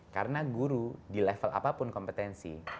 karena guru di level apapun kompetensi